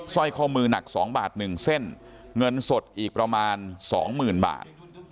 ร้อยข้อมือหนัก๒บาท๑เส้นเงินสดอีกประมาณสองหมื่นบาท